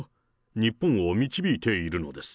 日本を導いているのです。